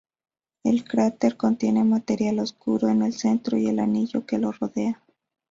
El cráter contiene material oscuro en el centro y el anillo que lo rodea.